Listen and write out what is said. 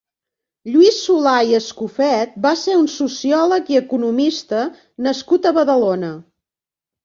Lluís Solà i Escofet va ser un sociòleg i economista nascut a Badalona.